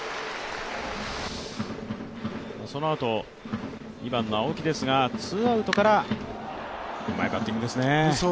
そのあと、２番の青木ですがツーアウトから、うまいバッティングですね。